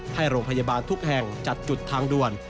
ให้โรงพยาบาลทุกแห่งจัดจุดทางด่วน